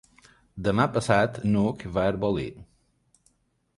Demà passat n'Hug va a Arbolí.